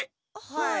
はい。